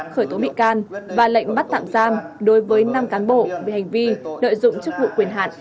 khởi tố bị can và lệnh bắt tạm giam đối với năm cán bộ về hành vi lợi dụng chức vụ quyền hạn